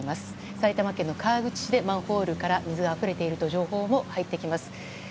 埼玉県の川口市でマンホールから水があふれているという情報も入ってきています。